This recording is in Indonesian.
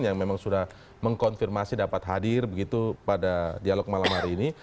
yang memang sudah mengkonfirmasi dapat hadir begitu pada dialog malam hari ini